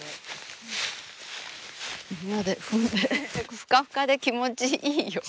ふかふかで気持ちいいよ。